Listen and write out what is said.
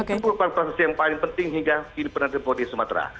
itu adalah prosesi yang paling penting hingga ini pernah terbunuh di sumatera